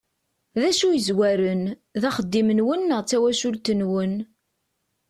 D acu i yezwaren, d axeddim-nwen neɣ d tawacult-nwen?